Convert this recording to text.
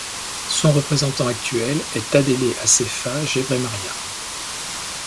Son représentant actuel est Tadele Asefa Gebremaryam.